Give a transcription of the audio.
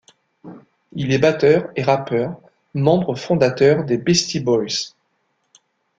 Il est batteur et rappeur, membre fondateur des Beastie Boys.